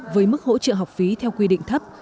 với mức hỗ trợ học phí theo quy định thấp